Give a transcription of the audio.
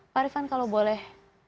pak rifan kalau boleh